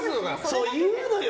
そう言うのよ！